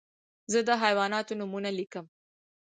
زه د حیواناتو نومونه لیکم.